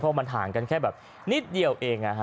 เพราะมันห่างกันแค่แบบนิดเดียวเอง